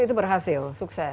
itu berhasil sukses